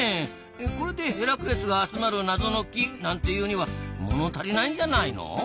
これでヘラクレスが集まる謎の木なんて言うにはもの足りないんじゃないの？